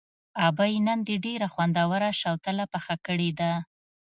ابۍ نن دې ډېره خوندوره شوتله پخه کړې ده.